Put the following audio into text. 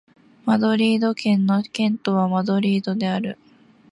マドリード県の県都はマドリードである